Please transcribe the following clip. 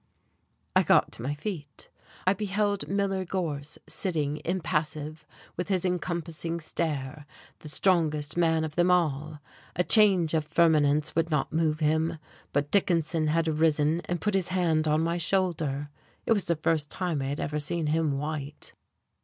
I got to my feet. I beheld Miller Gorse sitting impassive, with his encompassing stare, the strongest man of them all. A change of firmaments would not move him. But Dickinson had risen and put his hand on my shoulder. It was the first time I had ever seen him white.